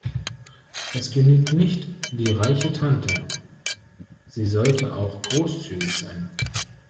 Es genügt nicht die reiche Tante, sie sollte auch großzügig sein.